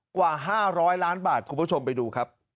ก่อนหน้าคุณเอาขึ้นไปดู